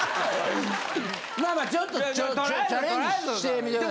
まあまあちょっとチャレンジしてみてくださいよ。